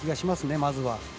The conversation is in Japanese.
まずは。